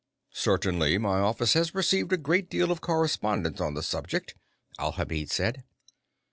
"Certainly my office has received a great deal of correspondence on the subject," Alhamid said.